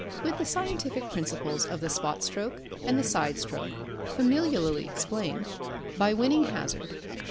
With the scientific Principles of the Spot stroke, and the Side stroke, familiarly explained: By Winning Hazard.